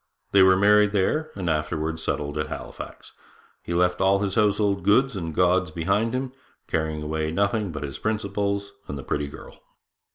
They were married there, and afterwards settled at Halifax. He left all his household goods and gods behind him, carrying away nothing but his principles and the pretty girl.'